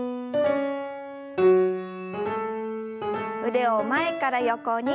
腕を前から横に。